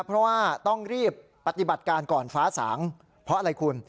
เพราะว่าต้องรีบปฏิบัติการก่อนฟ้าสางเพราะอะไรคุณ